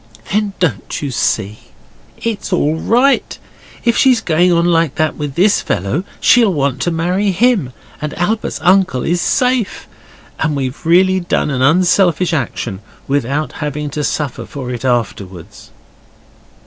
'Then don't you see it's all right. If she's going on like that with this fellow she'll want to marry him, and Albert's uncle is safe. And we've really done an unselfish action without having to suffer for it afterwards.